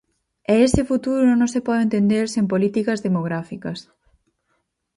E ese futuro non se pode entender sen políticas demográficas.